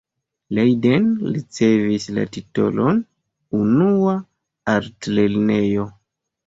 Leiden ricevis la titolon 'unua' altlernejo.